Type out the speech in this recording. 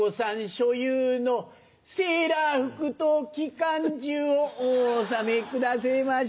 所有のセーラー服と機関銃をお納めくだせぇまし。